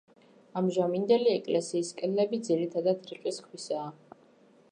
ამჟამინდელი ეკლესიის კედლები ძირითადად რიყის ქვისაა.